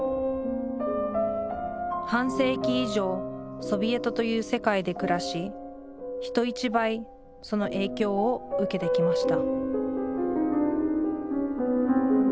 半世紀以上ソビエトという世界で暮らし人一倍その影響を受けてきました